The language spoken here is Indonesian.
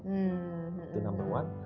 itu nomor satu